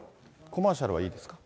コマーシャルはいいですか。